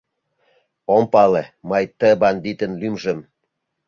Ом пале мый ты бандитын лӱмжым!